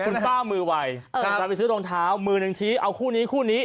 คุณป้ามือวัยไปซื้อรองเท้ามือหนึ่งชี้เอาคู่นี้คู่นี้